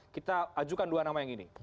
kita ajukan dua nama yang ini